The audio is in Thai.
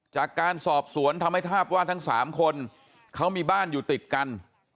จากการสอบสวนทำให้ทราบว่าทั้ง๓คนเขามีบ้านอยู่ติดกัน